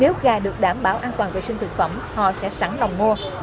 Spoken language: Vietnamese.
nếu gà được đảm bảo an toàn vệ sinh thực phẩm họ sẽ sẵn lòng mua